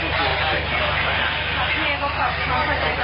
น่าจะมีความสัมพันธ์กันนี่นะคะ